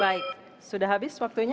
baik sudah habis waktunya